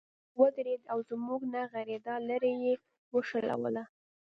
موټر ودرید او زموږ د نه غږیدا لړۍ یې وشلوله.